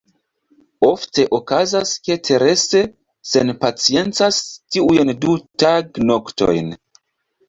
Ofte okazas, ke Terese senpaciencas tiujn du tagnoktojn.